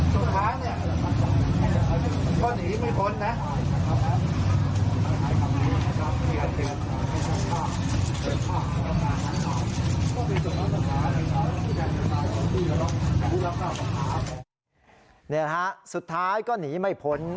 นี่นะครับสุดท้ายก็หนีไม่พ้น